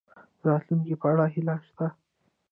د راتلونکي په اړه هیله شته؟